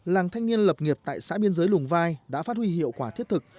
làng thanh niên lập nghiệp tại xã biên giới lùng vai đã phát huy hiệu quả thiết thực